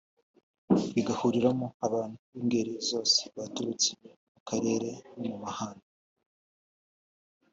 bigahuriramo abantu b’ingeri zose baturutse mu karere no mu mahanga